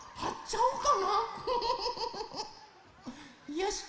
よし！